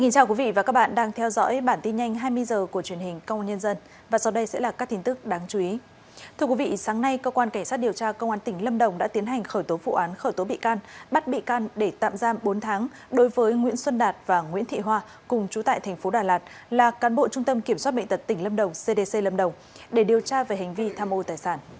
các bạn hãy đăng ký kênh để ủng hộ kênh của chúng mình nhé